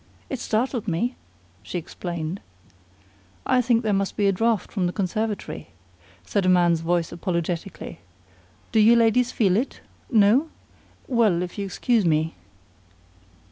"It startled me," she explained. "I think there must be a draft from the conservatory," said a man's voice apologetically. "Do you ladies feel it? No? Well, if you'll excuse me